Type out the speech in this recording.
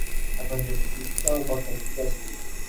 এখন সে বিস্তর কথা শিখিয়াছে।